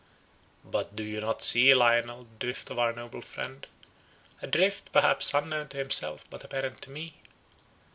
"But do not you see, Lionel, the drift of our noble friend; a drift, perhaps, unknown to himself, but apparent to me.